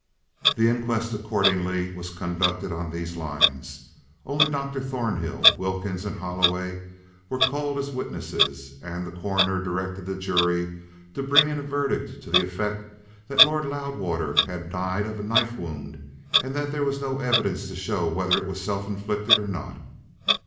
The inquest accordingly was conducted on these lines. Only Dr. Thornhill, Wilkins and Holloway were called as witnesses; and the Coroner directed the jury to bring in a verdict to the effect that Lord Loudwater had died of a knife wound, and that there was no evidence to show whether it was self inflicted or not.